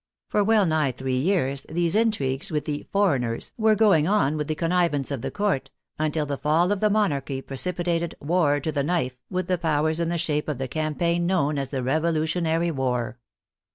For well nigh three years these intrigues with the " for eigners " were going on with the connivance of the Court, until the fall of the monarchy precipitated " war to the knife *' with the powers in the shape of the campaign known as the " Revolutionary War."